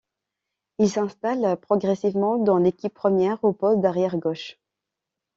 Il s'installe progressivement dans l'équipe première au poste d'arrière gauche.